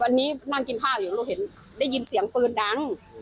วันนี้นั่งกินข้าวอยู่เราเห็นได้ยินเสียงปืนดัง